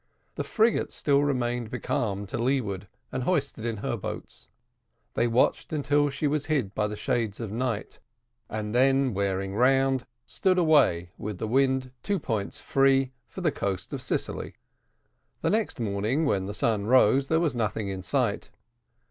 The frigate still remained becalmed to leeward, and hoisted in her boats. They watched until she was hid by the shades of night, and then wearing round stood away, with the wind two points free, for the coast of Sicily. The next morning when the sun rose there was nothing in sight.